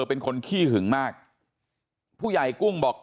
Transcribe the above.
เป็นคนขี้หึงมากผู้ใหญ่กุ้งบอก